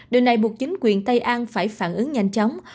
điều này buộc chính quyền tây an phải phản ứng nhanh chóng